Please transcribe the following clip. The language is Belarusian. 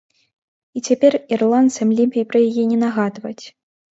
І цяпер ірландцам лепей пра яе не нагадваць.